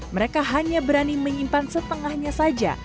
mereka hanya berani menyimpan setengahnya saja